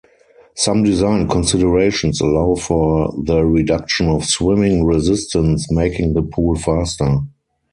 Some design considerations allow for the reduction of swimming resistance making the pool faster.